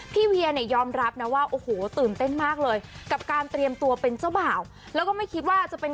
พี่เวียยอมรับนะว่าโอ้โหตื่นเต้นมากเลยกับการเตรียมตัวเป็นเจ้าบ่าว